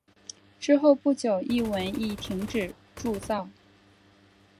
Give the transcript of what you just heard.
之后不久一文亦停止铸造。